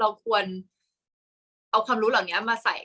กากตัวทำอะไรบ้างอยู่ตรงนี้คนเดียว